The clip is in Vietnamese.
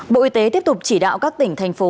bộ y tế tiếp tục chỉ đạo các tỉnh thành phố